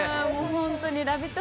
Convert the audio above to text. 「ラヴィット！」